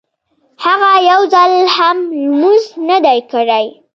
هغه يو ځل هم لمونځ نه دی کړی.